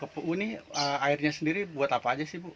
bu ini airnya sendiri buat apa aja sih bu